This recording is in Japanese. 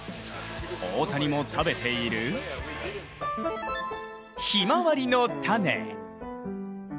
大谷も食べているひまわりの種。